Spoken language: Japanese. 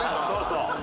そうそう！